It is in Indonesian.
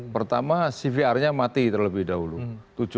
pertama cvr nya mati terlebih dahulu